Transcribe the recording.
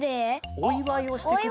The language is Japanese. おいわいをしてくれる？